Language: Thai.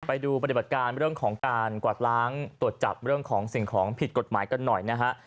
ไปดูปฏิบัติการเรื่องของการกวาดล้างตรวจจับเรื่องของสิ่งของผิดกฎหมายกันหน่อยนะฮะ